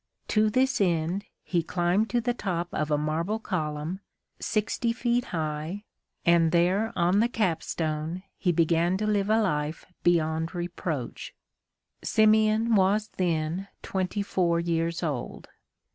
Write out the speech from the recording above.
To this end he climbed to the top of a marble column, sixty feet high, and there on the capstone he began to live a life beyond reproach. Simeon was then twenty four years old.